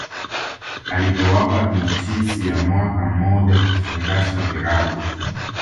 Alipowapa notisi ya mwaka mmoja kufungasha virago